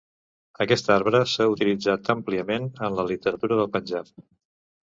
Aquest arbre s'ha utilitzat àmpliament en la literatura del Panjab.